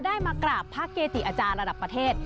มากราบพระเกจิอาจารย์ระดับประเทศ